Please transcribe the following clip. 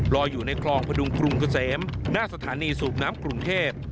ลอยอยู่ในคลองพดุงกรุงเกษมหน้าสถานีสูบน้ำกรุงเทพ